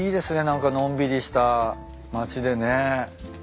何かのんびりした町でね。